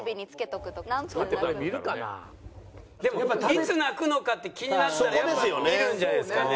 いつ泣くのかって気になったらやっぱ見るんじゃないですかね。